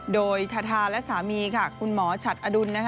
โดยทาทาและสามีค่ะคุณหมอฉัดอดุล